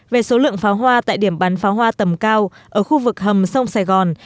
về số lượng pháo hoa tại điểm bắn pháo hoa tầm cao ở khu vực hầm sông sài gòn